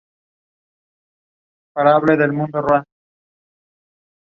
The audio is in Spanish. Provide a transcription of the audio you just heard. El objetivo es ser el primer jugador en poseer cuatro rascacielos construyendo sus vecindarios.